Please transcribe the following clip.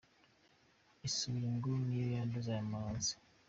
Isuri ngo niyo yanduza aya mazi.